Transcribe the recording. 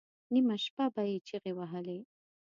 نیمه شپه به یې چیغې وهلې.